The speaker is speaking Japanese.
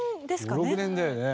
５６年だよね？